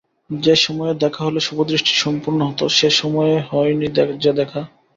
যে-সময়ে দেখা হলে শুভদৃষ্টি সম্পূর্ণ হত সে-সময়ে হয় নি যে দেখা।